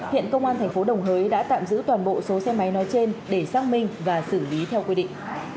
hiện công an thành phố đồng hới đã tạm giữ toàn bộ số xe máy nói trên để xác minh và xử lý theo quy định